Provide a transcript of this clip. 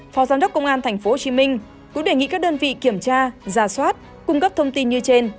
phó giám đốc công an tp hcm cũng đề nghị các đơn vị kiểm tra giả soát cung cấp thông tin như trên